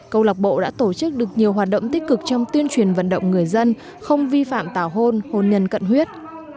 câu lạc bộ đã tổ chức được nhiều hoạt động tích cực trong tuyên truyền vận động người dân không vi phạm tào hôn hôn nhân cận huyết